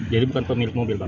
jadi bukan pemilik mobil bang